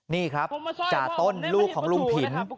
นี่ครับจ่าต้นลูกของลุงผิน